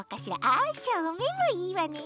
あしょうめんもいいわね。